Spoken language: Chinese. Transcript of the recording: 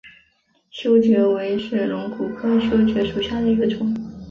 修蕨为水龙骨科修蕨属下的一个种。